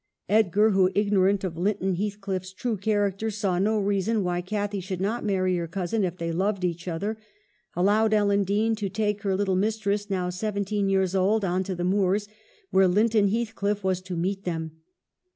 Edgar, who, ignorant of Linton Heathcliff's true character, saw no reason why Cathy should not marry her cousin if they loved each other, allowed Ellen Dean to take her little mistress, now seventeen years old, on to the moors where Linton Heathcliff was to meet them.